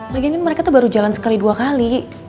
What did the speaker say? lagian kan mereka tuh baru jalan sekali dua kali